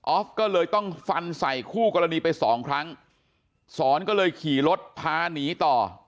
ฟก็เลยต้องฟันใส่คู่กรณีไปสองครั้งสอนก็เลยขี่รถพาหนีต่อ